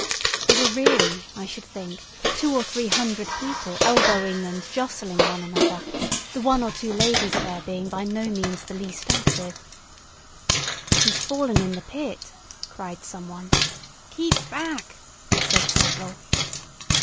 There were really, I should think, two or three hundred people elbowing and jostling one another, the one or two ladies there being by no means the least active. "He's fallen in the pit!" cried some one. "Keep back!" said several.